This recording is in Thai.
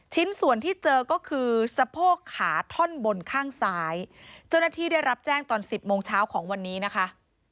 ชิ้นส่วนที่เจอก็คือสะโพกขาท่อนบนข้างซ้ายเจ้าหน้าที่ได้รับแจ้งตอนสิบโมงเช้าของวันนี้นะคะ